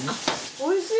おいしい。